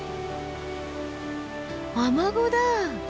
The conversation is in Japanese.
アマゴだ。